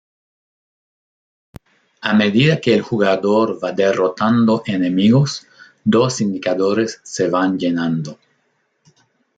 A medida que el jugador va derrotando enemigos, dos indicadores se van llenando.